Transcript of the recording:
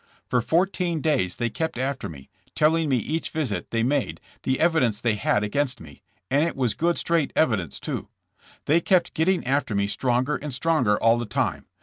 For fourteen days they kept after me, telling me each visit they made the evidence they had against me, and it was good, straight evidence, too. They kept getting after me stronger and stronger all the time.